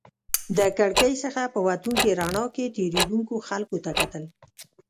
د کړکۍ څخه په وتونکې رڼا کې تېرېدونکو خلکو ته کتل.